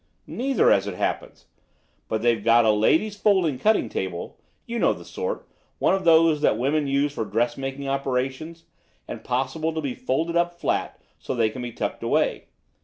"Neither, as it happens. But they've got a lady's folding cutting table; you know the sort, one of those that women use for dressmaking operations; and possible to be folded up flat, so they can be tucked away.